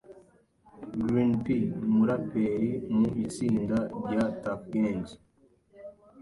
Green P umuraperi mu itsinda rya Tuuf Gangz